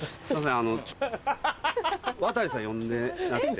あの亘さん呼んでなくて。